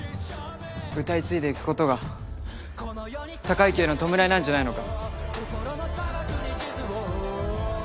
歌い継いでいくことが孝之への弔いなんじゃないのか？